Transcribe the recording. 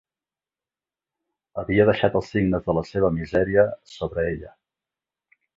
Havia deixat els signes de la seva misèria sobre ella.